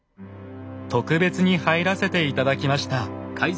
特別に入らせて頂きました。